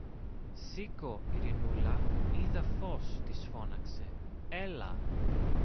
Σήκω, Ειρηνούλα, είδα φως, της φώναξε. Έλα!